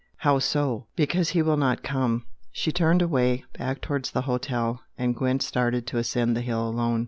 "How so?" "Because he will not come!" She turned away, back towards the Hotel, and Gwent started to ascend the hill alone.